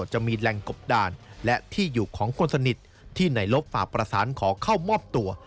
ที่นายลบฝากประสานขอเข้ามอบตัว